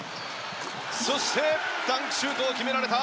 そしてダンクシュートを決められた！